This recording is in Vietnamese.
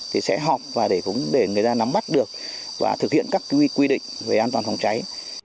thì sẽ họp và để người ta nắm bắt được và thực hiện các quy định về an toàn phòng cháy